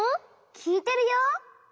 きいてるよ。